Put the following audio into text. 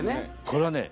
これはね